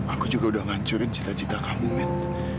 aku juga udah ngancurin cita cita kamu gitu